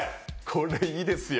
これいいですよ